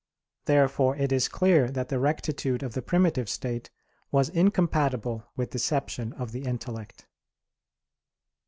Therefore it is clear that the rectitude of the primitive state was incompatible with deception of the intellect.